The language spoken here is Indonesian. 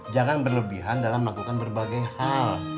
jangan berlebihan dalam melakukan berbagai hal